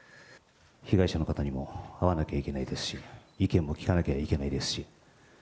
被害者の方にも会わなきゃいけないですし、意見も聞かなきゃいけないですし。